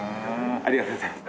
ありがとうございます。